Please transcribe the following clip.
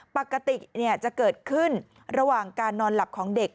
ปกติจะเกิดขึ้นระหว่างการนอนหลับของเด็ก